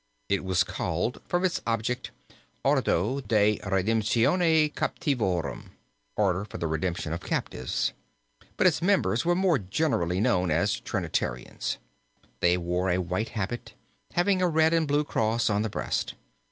It was called, from its object, Ordo de Redemptione Captivorum, (Order for the Redemption of Captives), but its members were more generally known as Trinitarians. They wore a white habit, having a red and blue cross on the breast.